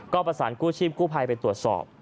ก็ประสานกู้ชีพกู้ภัยไปตรวจสอบ